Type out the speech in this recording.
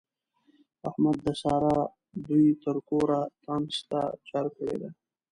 احمد د سارا دوی تر کوره تانسته جار کړې ده.